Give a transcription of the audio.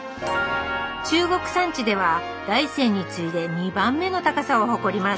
中国山地では大山に次いで２番目の高さを誇ります